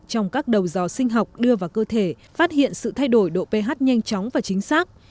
trong các đầu dò sinh học đưa vào cơ thể phát hiện sự thay đổi độ ph nhanh chóng và chính xác